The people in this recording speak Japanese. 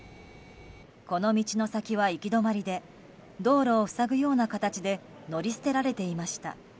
この道の先は行き止まりで道路を塞ぐような形で乗り捨てられていました。